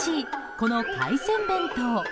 この海鮮弁当。